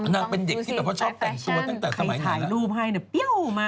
นางเป็นเด็กที่แบบว่าชอบแต่งตัวตั้งแต่สมัยถ่ายรูปให้เนี่ยเปรี้ยวมาก